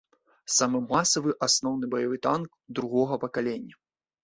Самы масавы асноўны баявы танк другога пакалення.